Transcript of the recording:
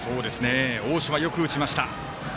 大島、よく打ちました。